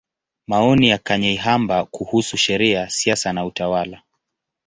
Maoni ya Kanyeihamba kuhusu Sheria, Siasa na Utawala.